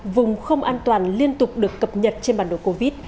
vùng không an toàn liên tục được cập nhật trên bản đồ covid